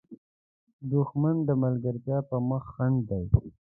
دښمن د ملګرتیا پر مخ خنډ دی